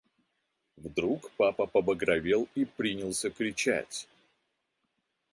Вдруг папа побагровел и принялся кричать.